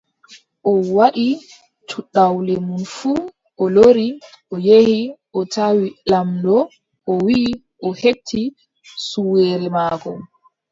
O waɗi cuɗawle mum fuu o lori, o yehi, o tawi laamɗo o wiʼi o heɓti suweere maako.